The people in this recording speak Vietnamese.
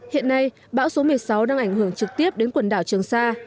hiện nay bão số một mươi sáu đang ảnh hưởng trực tiếp đến quần đảo trường sa